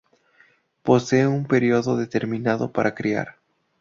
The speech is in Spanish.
No poseen un periodo determinado para criar.